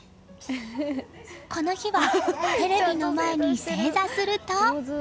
この日はテレビの前に正座すると。